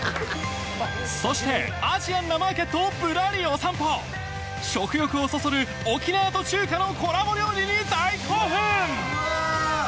そしてアジアンなマーケットをぶらりお散歩食欲をそそる沖縄と中華のコラボ料理に大興奮！